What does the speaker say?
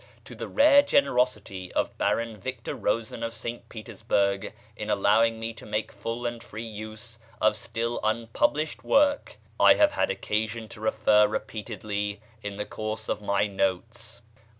To the rare generosity of Baron Victor Rosen of St Petersburg in allowing me to make full and free use of still unpublished work I have had occasion to refer repeatedly in the course of my notes.